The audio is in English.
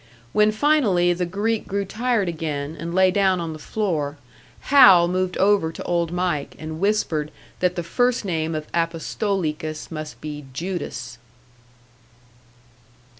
When finally the Greek grew tired again, and lay down on the floor, Hal moved over to Old Mike and whispered that the first name of Apostolikas must be Judas!